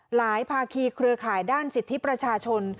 ภาคีเครือข่ายด้านสิทธิประชาชน